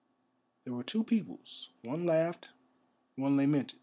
There were two peoples; one laughed, one lamented.